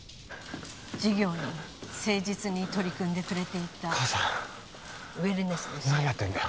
事業に誠実に取り組んでくれていた母さん何やってんだよ